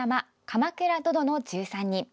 「鎌倉殿の１３人」。